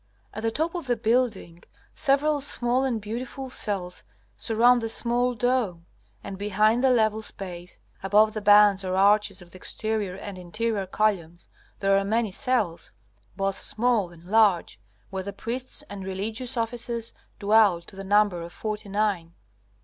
At the top of the building several small and beautiful cells surround the small dome, and behind the level space above the bands or arches of the exterior and interior columns there are many cells, both small and large, where the priests and religious officers dwell to the number of forty nine.